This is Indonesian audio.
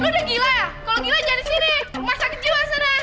lo udah gila kalau gila jangan di sini masa kejiwa sana